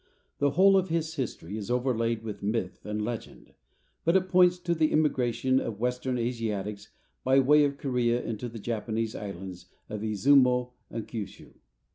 The whole of his history is overlaid with myth and legend. But it points to the immigration of western Asiatics by way of Corea into the Japanese islands of Izumo and Kyushu.